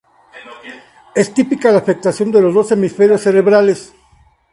Es típica la afectación de los dos hemisferios cerebrales.